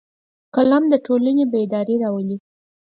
قلم د ټولنې بیداري راولي